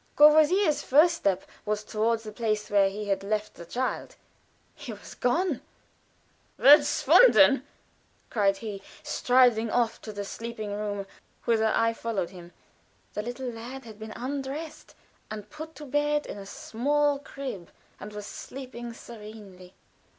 Courvoisier's first step was toward the place where he had left the child. He was gone. "Verschwunden!" cried he, striding off to the sleeping room, whither I followed him. The little lad had been undressed and put to bed in a small crib, and was sleeping serenely.